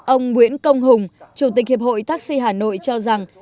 ông nguyễn công hùng chủ tịch hiệp hội taxi hà nội cho rằng